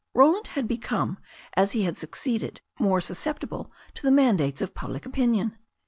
Ro land had become, as he had succeeded, more susceptible to the mandates of public opinion.